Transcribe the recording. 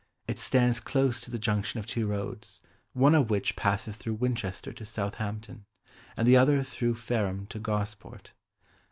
It stands close to the junction of two roads, one of which passes through Winchester to Southampton, and the other through Fareham to Gosport.